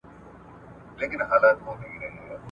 او که دواړي سترګي بندي وي څه ښه دي ,